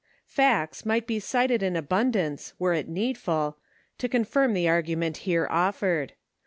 Facts might be cited in abundance, were it needful, to con firm the argument here offered.